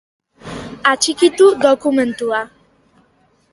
Atxikitu dokumentua.